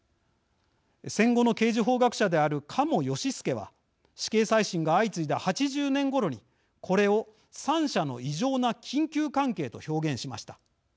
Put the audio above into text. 戦後の刑事法学者である鴨良弼は死刑再審が相次いだ８０年ごろにこれを「三者の異常な緊急関係」と表現しました。